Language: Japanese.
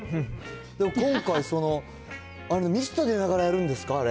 今回、ミスト出ながらやるんですか、あれ。